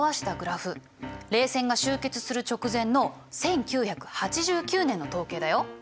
冷戦が終結する直前の１９８９年の統計だよ。